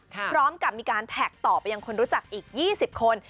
พร้อมกับมีการแท็กต่อไปยังคนรู้จักอีก๒๐คน